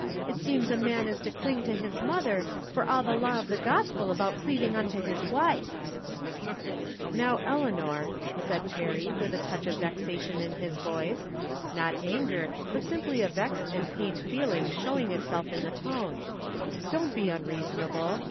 It seems a man is to 206 From Different Standpoints. cling to his mother, for all the law of the gospel about cleaving unto his wife^' " Now, Eleanor," said Perry, with a touch of vexation in his voice — not anger, but simply a vexed and pained feeling showing itself in the tone —" don't be unreasonable.